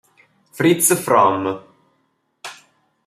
Fritz Fromm